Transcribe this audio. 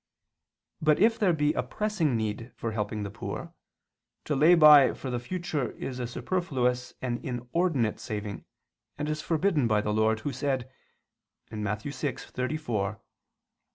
But if there be a pressing need for helping the poor, to lay by for the future is a superfluous and inordinate saving, and is forbidden by our Lord Who said (Matt. 6:34): "Be ...